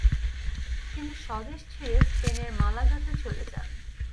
তিনি স্বদেশ ছেড়ে স্পেনের মালাগাতে চলে যান।